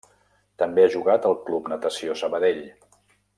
També ha jugat al Club Natació Sabadell.